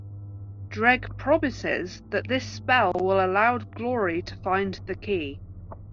Dreg promises that this spell will allow Glory to find the Key.